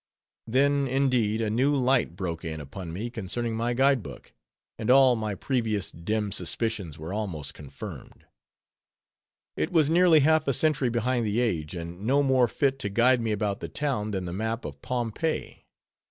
Then, indeed, a new light broke in upon me concerning my guide book; and all my previous dim suspicions were almost confirmed. It was nearly half a century behind the age! and no more fit to guide me about the town, than the map of Pompeii.